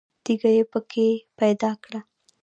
تیږه یې په کې پیدا کړه.